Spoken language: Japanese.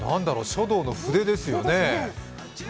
書道の筆ですよね？